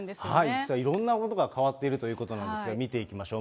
実はいろんなことが変わっているということなんですが、見ていきましょう。